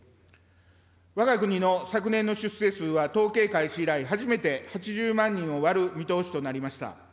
わが国の昨年の出生数は、統計開始以来、初めて８０万人を割る見通しとなりました。